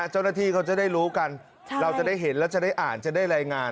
เจ้าหน้าที่เขาจะได้รู้กันเราจะได้เห็นแล้วจะได้อ่านจะได้รายงาน